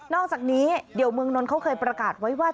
อกจากนี้เดี๋ยวเมืองนนท์เขาเคยประกาศไว้ว่า